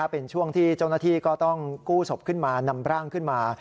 เป็นช่วงที่เจ้าหน้าที่ก็ต้องกู้ศพขึ้นมานำร่างขึ้นมา